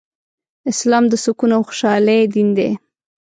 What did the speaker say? اسلام د سکون او خوشحالۍ دين دی